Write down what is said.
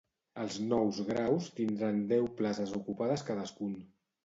Els nous graus tindran deu places ocupades cadascun.